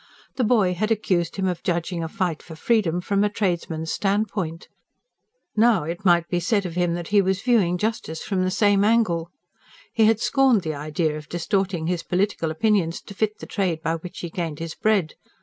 The boy had accused him of judging a fight for freedom from a tradesman's standpoint. Now it might be said of him that he was viewing justice from the same angle. He had scorned the idea of distorting his political opinions to fit the trade by which he gained his bread.